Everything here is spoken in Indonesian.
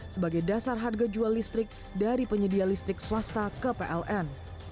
sebagai dasar harga jual listrik dari penyedia listrik swasta ke pln